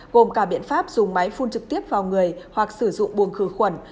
gồm cả biện pháp dùng máy phun trực tiếp vào người hoặc sử dụng buồng khử khuẩn